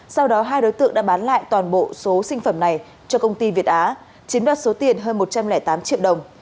sau đó hai đối tượng đã bán lại toàn bộ số sinh phẩm này cho công ty việt á chiếm đoạt số tiền hơn một trăm linh tám triệu đồng